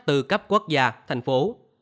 từ cấp quốc gia thành phố